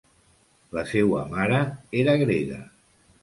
La seua mare era grega.